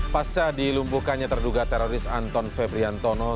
pasca dilumpuhkannya terduga teroris anton febriantono